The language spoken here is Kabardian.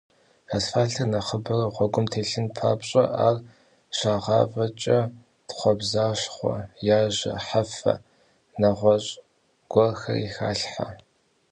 Асфальтыр нэхъыбэрэ гъуэгум телъын папщӏэ, ар щагъавэкӏэ тхъуэбзащхъуэ, яжьэ, хьэфэ, нэгъуэщӏ гуэрхэри халъхьэ.